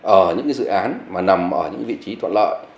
ở những dự án mà nằm ở những vị trí thuận lợi